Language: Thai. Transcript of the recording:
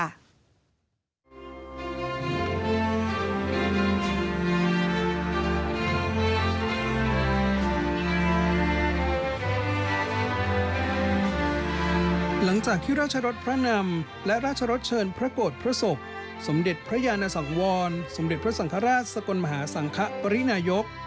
หลังจากที่ราชรสพระนำและราชรสเชิญพระโกรธพระศพสมเด็จพระยานสังวรสมเด็จพระสังฆราชสกลมหาสังคปรินายก